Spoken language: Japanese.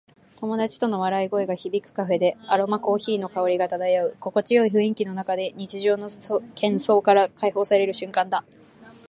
友達との笑い声が響くカフェで、アロマコーヒーの香りが漂う。心地よい雰囲気の中で、日常の喧騒から解放される瞬間だ。